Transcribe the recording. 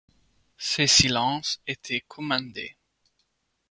Ce silence était commandé.